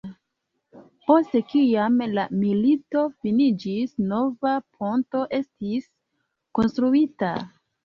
Post kiam la milito finiĝis, nova ponto estis konstruita.